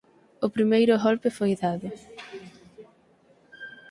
O primeiro golpe foi dado.